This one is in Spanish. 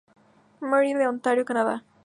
Marie de Ontario, Canadá.